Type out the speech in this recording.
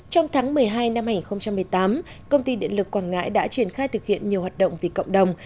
trong tháng một mươi hai năm hai nghìn một mươi tám công ty điện lực quảng ngãi đã triển khai thực hiện nhiều hoạt động vì cộng đồng